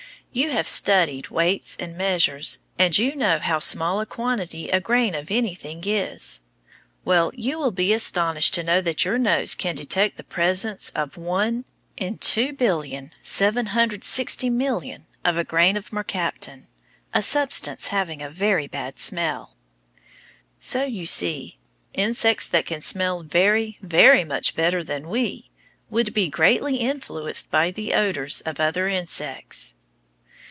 You have studied weights and measures, and you know how small a quantity a grain of anything is. Well, you will be astonished to know that your nose can detect the presence of 1/2,760,000,000 of a grain of mercaptan, a substance having a very bad smell. So you see, insects that can smell very, very much better than we would be greatly influenced by the odors of other insects.